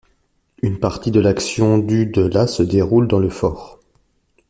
Une partie de l'action du de la se déroule dans le fort.